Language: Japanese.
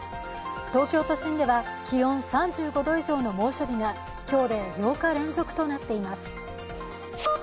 東京都心では気温３５度以上の猛暑日が、今日で８日連続となっています。